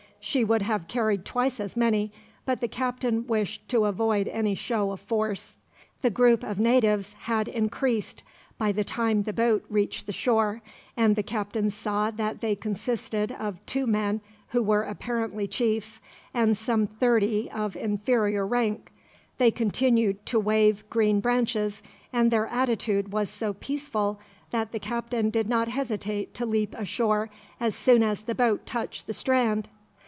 She would have carried twice as many, but the captain wished to avoid any show of force. The group of natives had increased, by the time the boat reached the shore; and the captain saw that they consisted of two men who were apparently chiefs, and some thirty of inferior rank. They continued to wave green branches, and their attitude was so peaceful that the captain did not hesitate to leap ashore, as soon as the boat touched the strand.